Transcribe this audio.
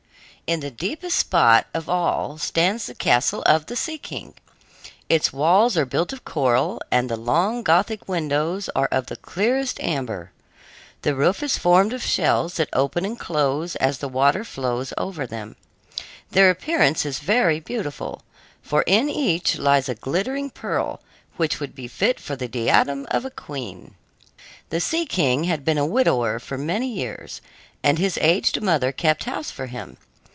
In the deepest spot of all stands the castle of the Sea King. Its walls are built of coral, and the long Gothic windows are of the clearest amber. The roof is formed of shells that open and close as the water flows over them. Their appearance is very beautiful, for in each lies a glittering pearl which would be fit for the diadem of a queen. The Sea King had been a widower for many years, and his aged mother kept house for him.